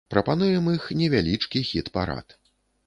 Прапануем іх невялічкі хіт-парад.